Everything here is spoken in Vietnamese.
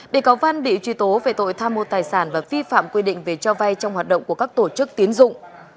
bị cáo văn bị truy tố về tội tham mô tài sản và vi phạm quy định về cho vay trong hoạt động của các tổ chức tiến dụng